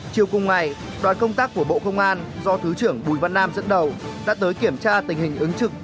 chiều cùng ngày đoàn công tác của bộ công an do thứ trưởng bùi văn nam dẫn đầu đã tới kiểm tra tình hình ứng trực